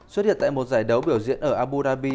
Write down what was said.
xuất hiện tại một giải đấu biểu diễn ở abu dhabi